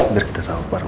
biar kita sahur baru